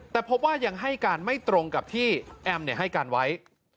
แต่พบว่ายังให้การไม่ตรงกับที่แอมให้การไว้